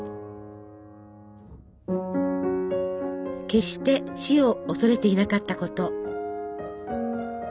決して死を恐れていなかったこと。